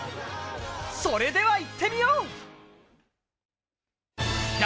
それではいってみよう！